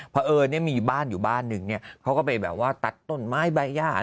เพราะเอิญเนี่ยมีบ้านอยู่บ้านหนึ่งเนี่ยเขาก็ไปแบบว่าตัดต้นไม้ใบย่า